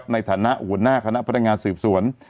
ในฐานะอู่นหน้าคณะพัฒนางานสืบสวน